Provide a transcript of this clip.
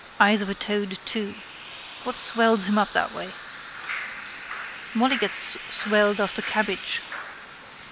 Eyes of a toad too. What swells him up that way? Molly gets swelled after cabbage.